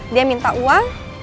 dia minta uang